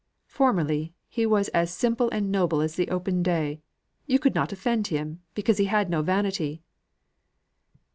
Formerly, he was as simple and noble as the open day; you could not offend him, because he had no vanity."